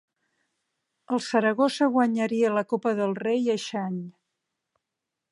El Saragossa guanyaria la Copa del Rei eixe any.